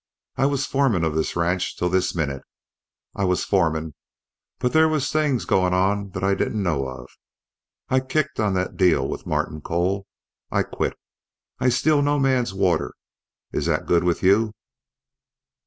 I was foreman of this ranch till this minute. I was foreman, but there were things gain' on thet I didn't know of. I kicked on thet deal with Martin Cole. I quit. I steal no man's water. Is thet good with you?"